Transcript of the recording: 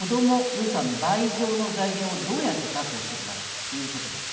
予算倍増の財源をどうやって確保するかということです。